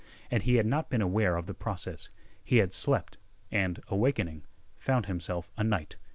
And he had not been aware of the process. He had slept, and, awakening, found himself a knight.